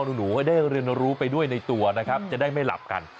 หนูได้เรียนรู้ไปด้วยในตัวนะครับจะได้ไม่หลับกัน